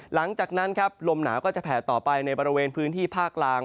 หลังจากนั้นครับลมหนาวก็จะแผ่ต่อไปในบริเวณพื้นที่ภาคล่าง